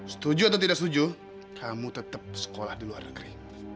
setuju atau tidak setuju kamu tetap sekolah di luar negeri